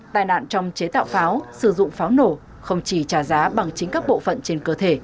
tài nạn trong chế tạo pháo sử dụng pháo nổ không chỉ trả giá bằng chính các bộ phận trên cơ thể